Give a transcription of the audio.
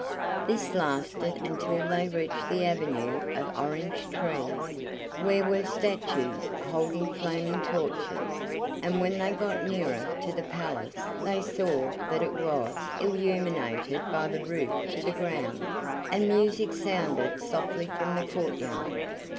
This lasted until they reached the avenue of orange trees, where were statues holding flaming torches, and when they got nearer to the palace they saw that it was illuminated from the roof to the ground, and music sounded softly from the courtyard.